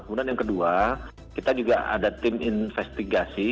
kemudian yang kedua kita juga ada tim investigasi